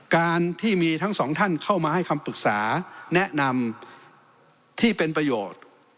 การที่มีทั้งสองท่านเข้ามาให้คำปรึกษาแนะนำที่เป็นประโยชน์